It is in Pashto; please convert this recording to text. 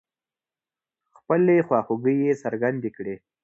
خپلې خواخوږۍ يې څرګندې کړې.